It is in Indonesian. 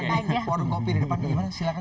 bisa di warung kopi di depan gimana silahkan